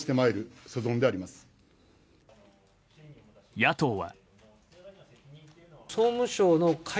野党は。